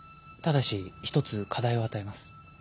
ただし１つ課題を与えます